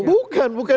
bukan bukan itu